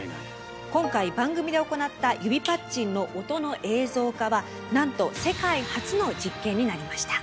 今回番組で行った指パッチンの音の映像化はなんと世界初の実験になりました。